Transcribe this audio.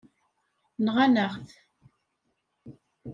Nɣan-aɣ-t.